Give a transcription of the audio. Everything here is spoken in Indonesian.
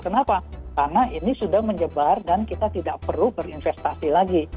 kenapa karena ini sudah menyebar dan kita tidak perlu berinvestasi lagi